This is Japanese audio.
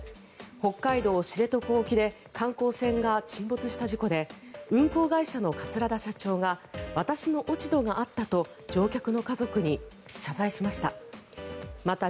北海道・知床沖で観光船が沈没した事故で運航会社の桂田社長が私の落ち度があったと乗客の家族に謝罪しました。